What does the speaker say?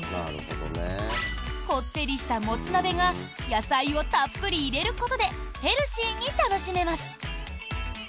こってりしたモツ鍋が野菜をたっぷり入れることでヘルシーに楽しめます。